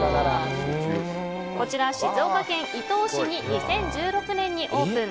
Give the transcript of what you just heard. こちら、静岡県伊東市に２０１６年にオープン。